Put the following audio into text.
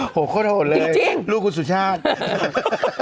โอ้โฮโทษโทษเลยลูกคุณสุชาติจริง